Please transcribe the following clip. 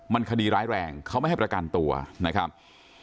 มันคดีร้ายแรงเขาไม่ให้ประกันตัวนะครับ